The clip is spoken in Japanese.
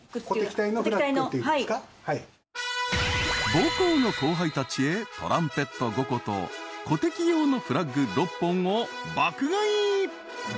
［母校の後輩たちへトランペット５個と鼓笛用のフラッグ６本を爆買い］